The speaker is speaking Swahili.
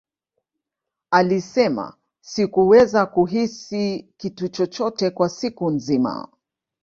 Alisema, Sikuweza kuhisi kitu chochote kwa siku nzima.